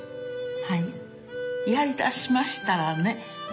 やりだしましたらね